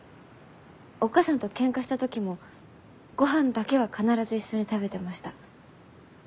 おっ母さんとけんかした時もごはんだけは必ず一緒に食べてました。